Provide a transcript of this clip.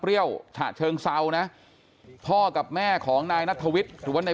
ฉะเชิงเซานะพ่อกับแม่ของนายนัทวิทย์หรือว่าใน